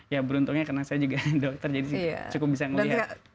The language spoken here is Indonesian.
ya beruntungnya karena saya juga dokter jadi cukup bisa melihat